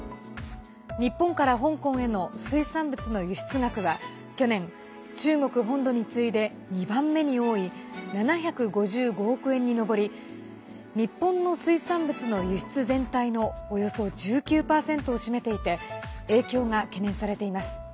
日本から香港への水産物の輸出額は去年、中国本土に次いで２番目に多い７５５億円に上り日本の水産物の輸出全体のおよそ１９％を占めていて影響が懸念されています。